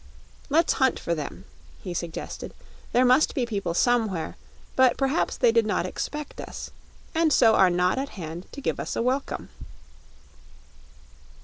"Let's hunt for them," he suggested. "There must be people somewhere; but perhaps they did not expect us, and so are not at hand to give us a welcome."